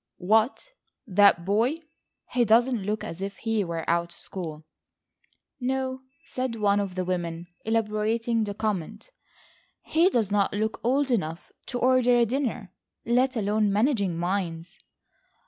"What, that boy! He doesn't look as if he were out of school." "No," said one of the women, elaborating the comment, "he does not look old enough to order a dinner, let alone managing mines."